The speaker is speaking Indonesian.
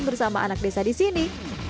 bersama anak desa disini